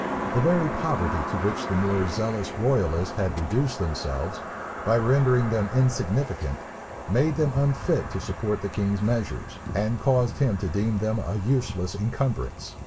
The very poverty to which the more zealous royalists had reduced themselves, by rendering them insignificant, made them unfit to support the king's measures, and caused him to deem them a useless encumbrance.